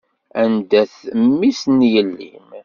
Anda-t mmi-s n yelli-m?